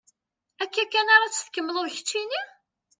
Akka kan ara tt-tkemmleḍ keččini?